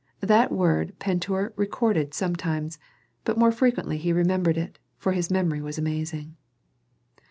That word Pentuer recorded sometimes, but more frequently he remembered it, for his memory was amazing.